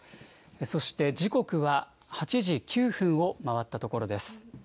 そして、時刻は８時９分を回ったところです。